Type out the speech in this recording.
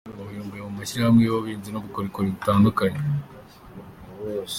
Ubu bibumbiye mu mashyirahamwe y’ubuhinzi n’ubukorikori butandukanye.